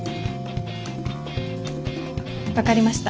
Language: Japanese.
分かりました。